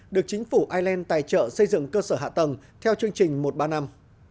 được chính phủ ireland tài trợ xây dựng cơ sở hạ tầng theo chương trình một ba năm